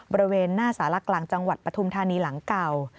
บริเวณหน้าสารกลางจังหวัดปฐุมธานีหลังเก่า